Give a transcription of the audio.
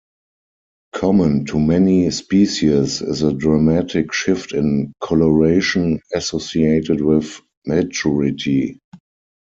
Common to many species is a dramatic shift in coloration associated with maturity.